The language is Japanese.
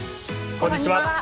こんにちは。